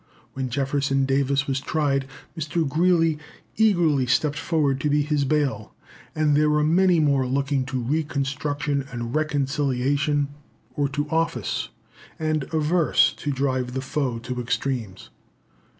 When Jefferson Davis was tried, Mr. Greeley eagerly stepped forward to be his bail, and there were many more looking to reconstruction and reconciliation or to office and averse to drive the foe to extremes.